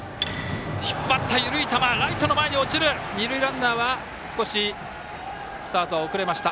二塁ランナーは少しスタートは遅れました。